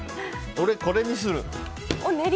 俺、これにする。